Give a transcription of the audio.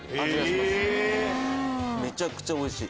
めちゃくちゃおいしい。